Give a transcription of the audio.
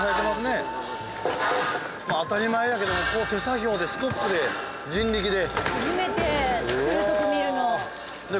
当たり前やけども手作業でスコップで人力で。